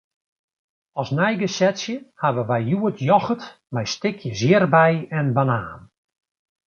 As neigesetsje hawwe wy hjoed yochert mei stikjes ierdbei en banaan.